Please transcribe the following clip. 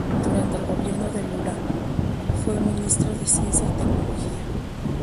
Durante el gobierno de Lula fue Ministro de Ciencia y Tecnología.